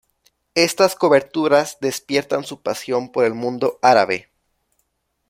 Estas coberturas despiertan su pasión por el Mundo Árabe.